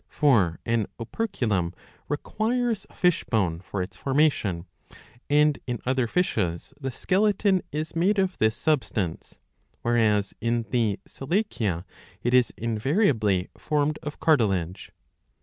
For an operculum requires fish bone for its formation, and in other fishes the skeleton is made of this substance, whereas in the Selachia it is invariably formed of car tilage.